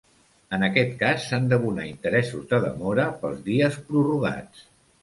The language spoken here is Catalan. En aquest cas, s'han d'abonar interessos de demora pels dies prorrogats.